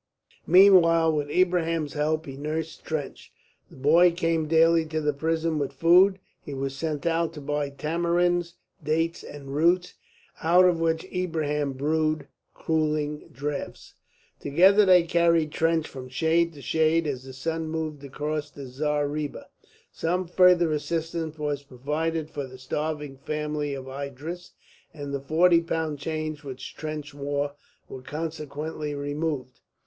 Meanwhile with Ibrahim's help he nursed Trench. The boy came daily to the prison with food; he was sent out to buy tamarinds, dates, and roots, out of which Ibrahim brewed cooling draughts. Together they carried Trench from shade to shade as the sun moved across the zareeba. Some further assistance was provided for the starving family of Idris, and the forty pound chains which Trench wore were consequently removed.